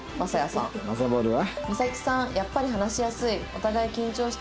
昌ボールは？